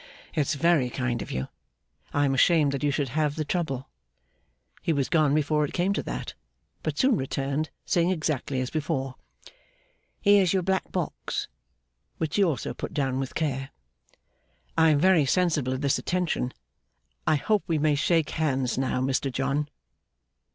'It's very kind of you. I am ashamed that you should have the trouble.' He was gone before it came to that; but soon returned, saying exactly as before, 'Here's your black box:' which he also put down with care. 'I am very sensible of this attention. I hope we may shake hands now, Mr John.